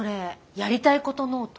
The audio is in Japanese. やりたいことノート？